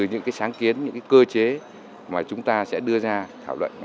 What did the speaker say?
những sáng kiến những cơ chế mà chúng ta sẽ đưa ra thảo luận